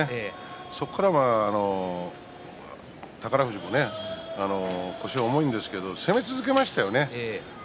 そこからは宝富士も腰は重いですけど攻め続けましたよね。